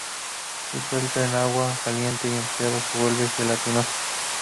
Disuelto en agua caliente y enfriado se vuelve gelatinoso.